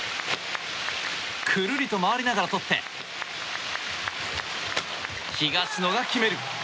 くるりと回りながらとって東野が決める！